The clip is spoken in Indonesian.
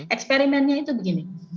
eksperimennya itu begini